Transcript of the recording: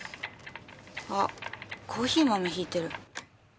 あコーヒー豆ひいてる。